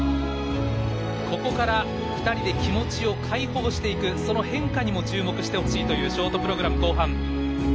ここから２人で気持ちを開放していくその変化にも注目してほしいというショートプログラム後半。